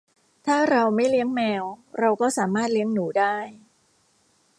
ถ้าเราไม่เลี้ยงแมว เราก็สามารถเลี้ยงหนูได้